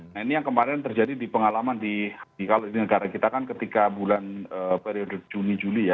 nah ini yang kemarin terjadi di pengalaman di kalau di negara kita kan ketika bulan periode juni juli ya